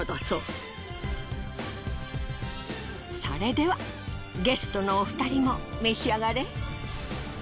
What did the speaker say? それではゲストのお二人も召し上がれ。